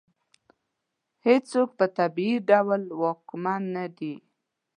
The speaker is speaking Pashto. هېڅوک په طبیعي ډول واکمن نه دی.